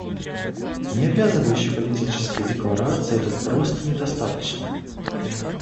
Необязывающей политической декларации тут просто недостаточно.